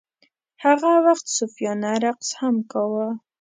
هغه ورته صوفیانه رقص هم کاوه.